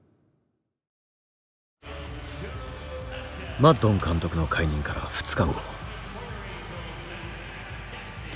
マッドン監督の解任から２日後。